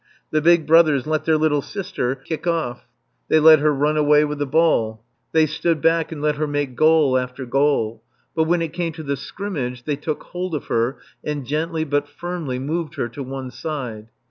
The big brothers let their little sister kick off; they let her run away with the ball; they stood back and let her make goal after goal; but when it came to the scrimmage they took hold of her and gently but firmly moved her to one side.